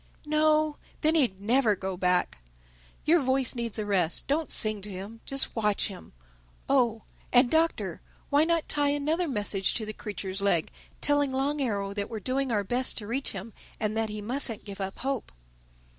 "No. Then he'd never go back. Your voice needs a rest. Don't sing to him: just watch him—Oh, and Doctor, why not tie another message to the creature's leg, telling Long Arrow that we're doing our best to reach him and that he mustn't give up hope?"